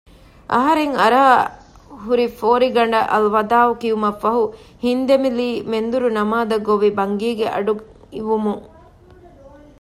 އަހަރެން އަރާހުރި ފޯރިގަނޑަށް އަލްވަދާއު ކިޔުމަށްފަހު ހިންދެމިލީ މެންދުރު ނަމާދަށް ގޮވި ބަންގީގެ އަޑު އިވުމުން